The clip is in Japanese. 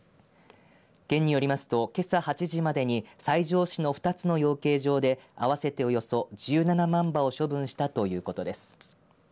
県によりますと、けさ８時までに西条市の２つの養鶏場で合わせておよそ１７万羽を処分したということです。